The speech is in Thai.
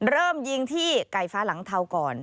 เริ่มยิงที่ไก่ฟ้าหลังเทาก่อน